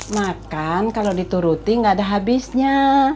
ma kan kalau dituruti gak ada habisnya